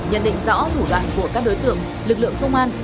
nhận định rõ thủ đoạn của các đối tượng lực lượng công an